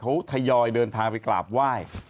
เขาทยอยเดินทางไปกราบไหว้